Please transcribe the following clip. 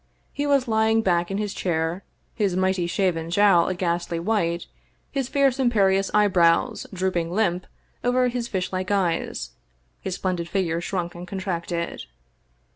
He was lying back in his chair, his mighty shaven jowl a ghastly white, his fierce imperious eyebrows drooping limp over his fishlike eyes, his splendid figure shrunk and contracted.